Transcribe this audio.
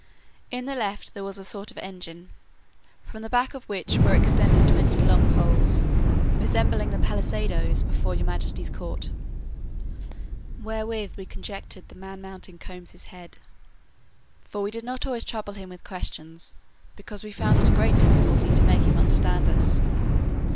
In the left there was a sort of engine, from the back of which were extended twenty long poles, resembling the pallisados before your majesty's court: wherewith we conjecture the man mountain combs his head; for we did not always trouble him with questions, because we found it a great difficulty to make him understand us.